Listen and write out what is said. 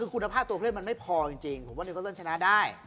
คุณภาพตัวเล่นมันไม่พอจริงผมว่านิวก็เริ่มชนะได้